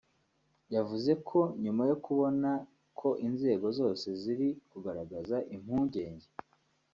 yavuze ko nyuma yo kubona ko inzego zose ziri kugaragaza impungenge